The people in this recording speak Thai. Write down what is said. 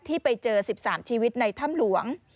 ที่ไปเจอ๑๓ชีวิตในถ้ำหลวง